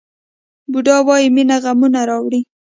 بودا وایي مینه غمونه راوړي.